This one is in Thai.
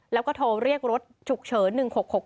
แล้วก็โทรเรียกรถฉุกเฉิน๑๖๖๙